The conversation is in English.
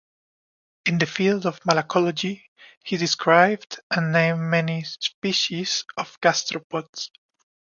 In the field of malacology, he described and named many species of gastropods.